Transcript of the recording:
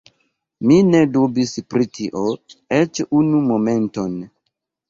Mi ne dubis pri tio eĉ unu momenton.